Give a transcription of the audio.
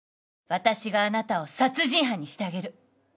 私があなたを殺人犯にしてあげる。